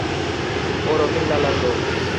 ও রহিম লালার লোক।